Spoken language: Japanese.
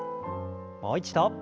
もう一度。